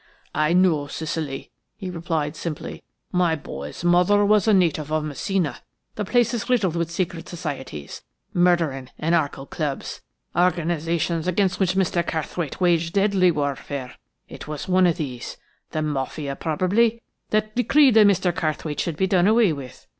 "I know Sicily," he replied simply. "My boy's mother was a native of Messina. The place is riddled with secret societies, murdering, anarchical clubs: organisations against which Mr. Carrthwaite waged deadly warfare. It is one of these–the Mafia, probably–that decreed that Mr. Carrthwaite should be done away with.